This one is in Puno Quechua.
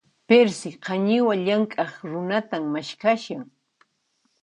Perci, qañiwa hank'aq runatan maskhashan.